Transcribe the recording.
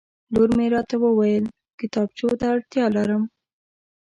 لور مې راته وویل کتابچو ته اړتیا لرم